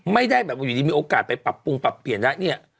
ไม่ได้แบบอยู่ดีมีโอกาสไปปรับปรุงปรับเปลี่ยนแล้วเนี่ย